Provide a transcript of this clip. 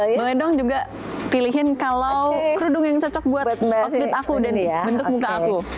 boleh dong juga pilihin kalau kerudung yang cocok buat output aku dan bentuk muka aku